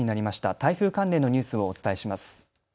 台風関連のニュースをお伝えします。